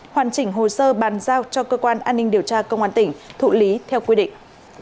hoàn chỉnh hồ sơ bàn giao cho cơ quan an ninh điều tra công an tỉnh thụ lý theo quy định